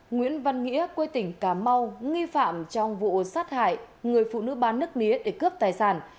nguyễn văn nghĩa quê tỉnh cà mau nghi phạm trong vụ sát hại người phụ nữ bán nước mía để cướp tài sản